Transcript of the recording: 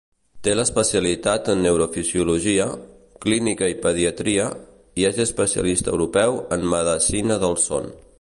Té l'especialitat en Neurofisiologia, Clínica i Pediatria i és Especialista Europeu en Medecina del Son.